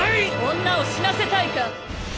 女を死なせたいか！？